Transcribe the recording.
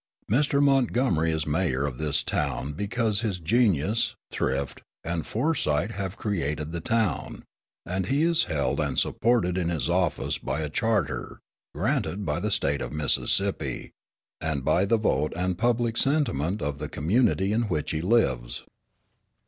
Mr. Montgomery is mayor of this town because his genius, thrift, and foresight have created the town; and he is held and supported in his office by a charter, granted by the State of Mississippi, and by the vote and public sentiment of the community in which he lives.